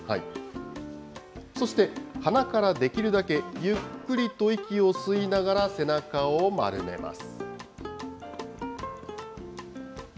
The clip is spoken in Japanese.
そして、鼻からできるだけゆっくりと息を吸いながら、背中を丸めます。